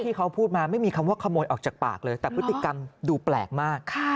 ที่เขาพูดมาไม่มีคำว่าขโมยออกจากปากเลยแต่พฤติกรรมดูแปลกมาก